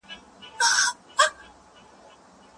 د خوګیاڼو ولسوالۍ په سپین غره کې د زیتونو ډېرې ونې شتون لري.